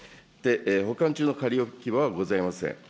保管中の仮置き場はございません。